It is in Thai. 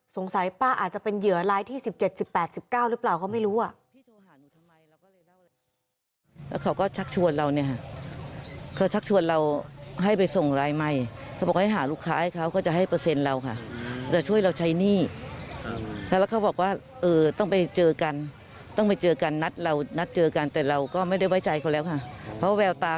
สงสัยป้าอาจจะเป็นเหยอร้ายที่สิบเจ็ดสิบแปดสิบเก้าหรือเปล่าเขาไม่รู้